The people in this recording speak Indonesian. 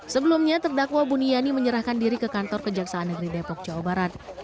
sebelumnya terdakwa buniyani menyerahkan diri ke kantor kejaksaan negeri depok jawa barat